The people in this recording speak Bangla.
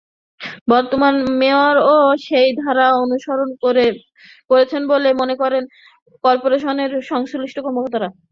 বর্তমান মেয়রও সেই ধারা অনুসরণ করছেন বলে মনে করছেন করপোরেশনের সংশ্লিষ্ট কর্মকর্তারা।